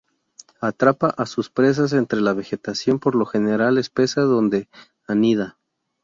Atrapa a sus presas entre la vegetación, por lo general espesa, donde anida.